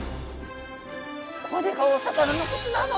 これがお魚の口なの？